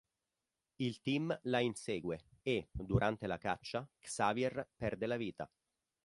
Il team la insegue e, durante la caccia, Xavier perde la vita.